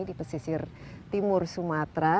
di pesisir timur sumatera